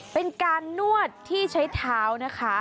เป็นการนวดที่ใช้เท้านะคะ